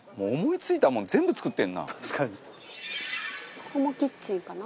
ここもキッチンかな？